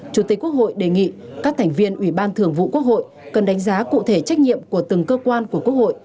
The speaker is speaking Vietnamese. chủ tịch quốc hội đề nghị các thành viên ủy ban thường vụ quốc hội cần đánh giá cụ thể trách nhiệm của từng cơ quan của quốc hội